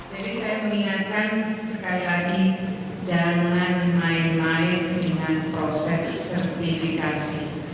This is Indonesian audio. jadi saya mengingatkan sekali lagi jangan main main dengan proses sertifikasi